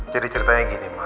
jadi ceritanya gini ma